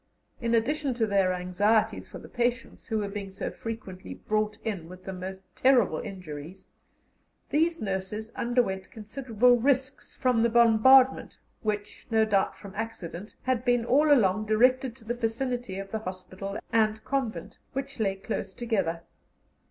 In addition to their anxieties for the patients, who were being so frequently brought in with the most terrible injuries, these nurses underwent considerable risks from the bombardment, which, no doubt from accident, had been all along directed to the vicinity of the hospital and convent, which lay close together.